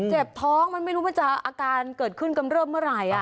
เจ็บท้องมันไม่รู้มันจะอาการเกิดขึ้นกำเริบเมื่อไหร่